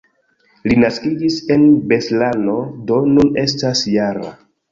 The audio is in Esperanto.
Li naskiĝis en Beslano, do nun estas -jara.